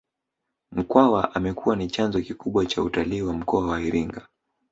Mkwawa amekuwa ni chanzo kikubwa cha utalii wa mkoa wa Iringa